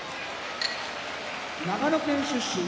長野県出身